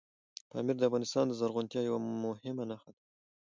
پامیر د افغانستان د زرغونتیا یوه مهمه نښه ده.